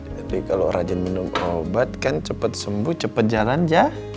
jadi kalau rajin minum obat kan cepet sembuh cepet jalan jah